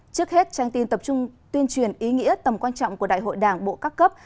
trước hết trang tin tập trung tuyên truyền ý nghĩa tầm quan trọng của đại hội đảng bộ các cấp